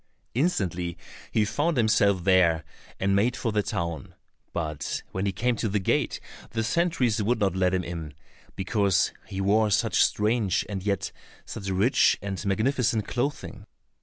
Instantly he found himself there, and made for the town, but when he came to the gate, the sentries would not let him in, because he wore such strange and yet such rich and magnificent clothing.